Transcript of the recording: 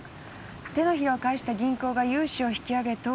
手のひらを返した銀行が融資を引き揚げ倒産。